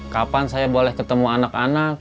kapan saya boleh ketemu anak anak